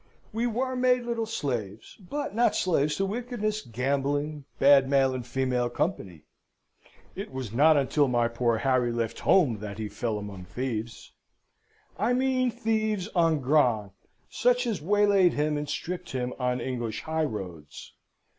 We were made little slaves, but not slaves to wickedness, gambling, bad male and female company. It was not until my poor Harry left home that he fell among thieves. I mean thieves en grand, such as waylaid him and stripped him on English highroads.